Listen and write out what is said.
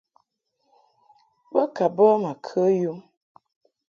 Bo ka bə ma kə yum.